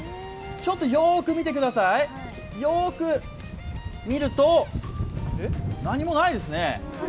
よく見てください、よーく見ると、何もないですね。